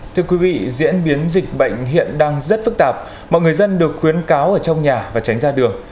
thưa quý vị diễn biến dịch bệnh hiện đang rất phức tạp mọi người dân được khuyến cáo ở trong nhà và tránh ra đường